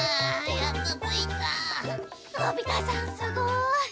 のび太さんすごい！